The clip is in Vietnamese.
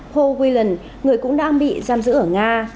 paul whelan người cũng đang bị giam giữ ở nga